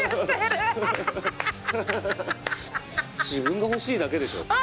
「自分が欲しいだけでしょ？」